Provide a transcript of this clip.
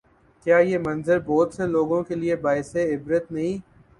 کیا یہ منظر بہت سے لوگوں کے لیے باعث عبرت نہیں؟